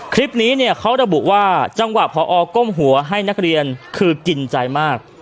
คลิปนี้เนี่ยเขาระบุว่าจังหวะพอก้มหัวให้นักเรียนคือกินใจมาก